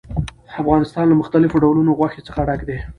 افغانستان له مختلفو ډولونو غوښې څخه ډک دی.